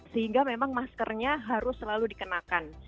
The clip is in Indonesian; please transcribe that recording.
sehingga memang maskernya harus selalu dikenakan